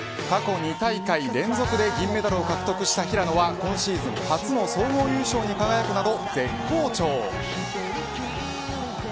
過去２大会連続で銀メダルを獲得した平野は今シーズン初の総合優勝に輝くなど絶好調。